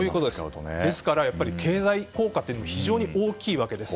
ですから経済効果も非常に大きいわけです。